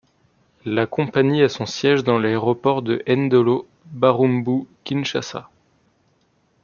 La compagnie a son siège dans l'aéroport de Ndolo, Barumbu, Kinshasa.